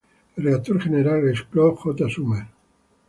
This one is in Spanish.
El redactor general es Claude J. Summers.